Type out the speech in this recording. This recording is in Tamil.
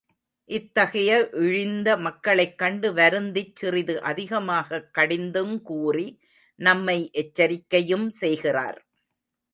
இத்தகைய இழிந்த மக்களைக்கண்டு வருந்திச் சிறிது அதிகமாகக் கடிந்துங் கூறி, நம்மை எச்சரிக்கையும் செய்கிறார்.